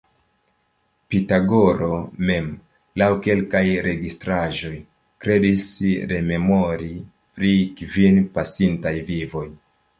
Pitagoro mem, laŭ kelkaj registraĵoj, kredis rememori pri kvin pasintaj vivoj.